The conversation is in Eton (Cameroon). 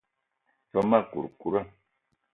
Ve ma kourkoura.